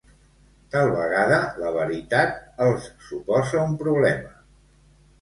Tal vegada la veritat els suposa un problema.